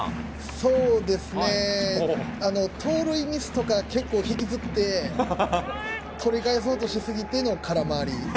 そうですね、盗塁ミスを結構引きずって、取り返そうとし過ぎての空回り。